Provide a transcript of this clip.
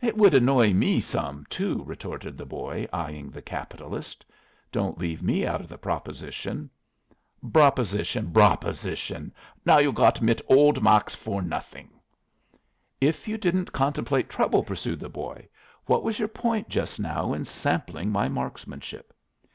"It would annoy me some, too," retorted the boy, eyeing the capitalist. "Don't leave me out of the proposition." "Broposition! Broposition! Now you get hot mit old Max for nothing." "If you didn't contemplate trouble," pursued the boy, "what was your point just now in sampling my marksmanship?"